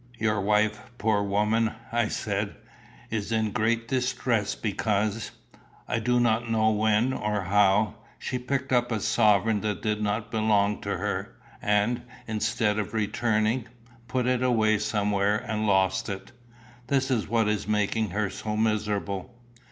"Your wife, poor woman," I said, "is in great distress because I do not know when or how she picked up a sovereign that did not belong to her, and, instead of returning, put it away somewhere and lost it. This is what is making her so miserable."